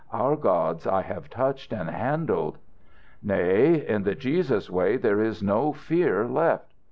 "Our gods I have touched and handled." "Nay, in the Jesus way there is no fear left."